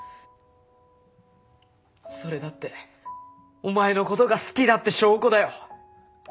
それだってお前のことが好きだって証拠だよ。